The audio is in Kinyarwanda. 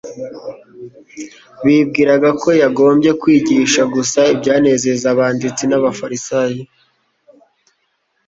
bibwiraga ko yagombye kwigisha gusa ibyanezeza abanditsi n'abafarisayo,